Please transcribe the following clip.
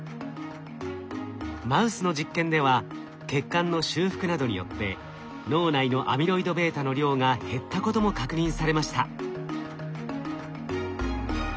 マウスの実験では血管の修復などによって脳内のアミロイドβの量が減ったことも確認されました。